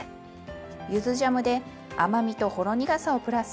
ゆずジャムで甘みとほろ苦さをプラス。